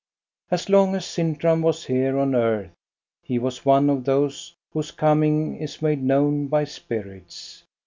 As long as Sintram was here on earth he was one of those whose coming is made known by spirits.